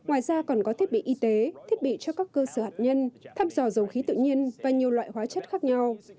ngoài ra còn có thiết bị y tế thiết bị cho các cơ sở hạt nhân thăm dò dầu khí tự nhiên và nhiều loại hóa chất khác nhau